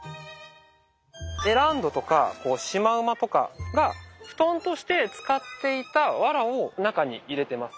エランドとかシマウマとかが布団として使っていたわらを中に入れてます。